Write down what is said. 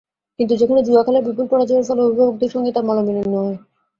কিন্তু সেখানে জুয়া খেলায় বিপুল পরাজয়ের ফলে অভিভাবকদের সঙ্গে তাঁর মনোমালিন্য হয়।